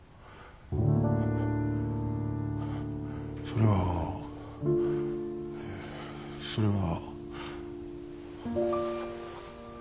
それは。それは。